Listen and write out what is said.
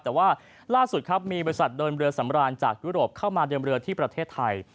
แต่ว่าล่าสุดครับมีบริษัทเดินเรือสำราญจากยุโรปเข้ามาเดินเรือที่ประเทศไทย